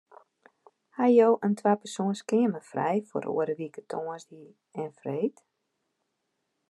Ha jo in twapersoans keamer frij foar oare wike tongersdei en freed?